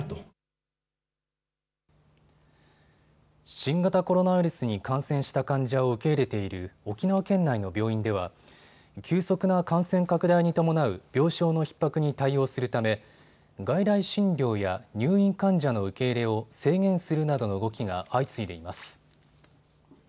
新型コロナウイルスに感染した患者を受け入れている沖縄県内の病院では急速な感染拡大に伴う病床のひっ迫に対応するため外来診療や入院患者の受け入れを制限するなどの動きが相次いでいます。